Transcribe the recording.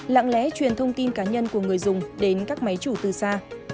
lặng lẽ truyền thông tin cá nhân của người dùng đến các máy chủ từ xa